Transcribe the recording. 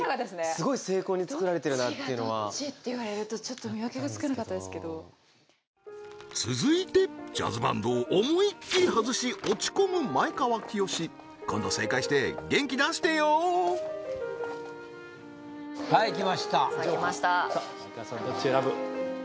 すごい精巧に作られてるなってどっちがどっちっていわれるとちょっと見分けがつかなかったですけど続いてジャズバンドを思いっきり外し落ち込む今度正解して元気出してよはい来ましたさあ来ましたさあ前川さんどっち選ぶ？